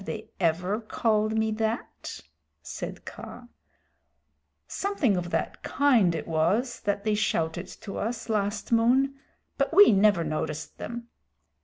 "Sssss! Have they ever called me that?" said Kaa. "Something of that kind it was that they shouted to us last moon, but we never noticed them.